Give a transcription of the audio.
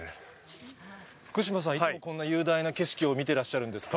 福島さん、いつもこんな雄大な景色を見てらっしゃるんですか。